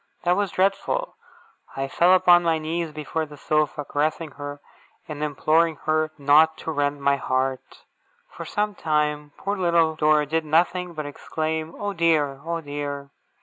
That was dreadful. I fell upon my knees before the sofa, caressing her, and imploring her not to rend my heart; but, for some time, poor little Dora did nothing but exclaim Oh dear! Oh dear!